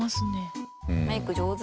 メイク上手。